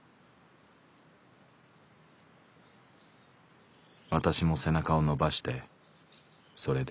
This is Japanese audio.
「私も背中を伸ばしてそれでお終い」。